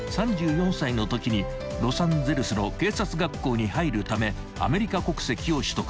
［３４歳のときにロサンゼルスの警察学校に入るためアメリカ国籍を取得］